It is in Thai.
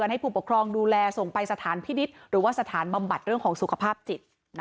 หรือไม่อย่างไร